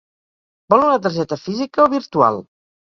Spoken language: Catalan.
Vol una targeta física, o virtual?